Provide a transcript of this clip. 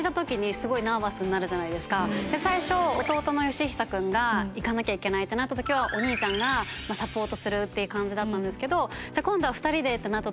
最初弟の義久くんが行かなきゃいけないってなった時はお兄ちゃんがサポートするっていう感じだったんですけど今度は２人でってなった